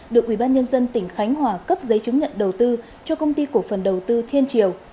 được ubnd tỉnh khánh hòa cấp giấy chứng nhận đầu tư cho công ty cổ phần đầu tư thiên triều